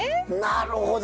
なるほど！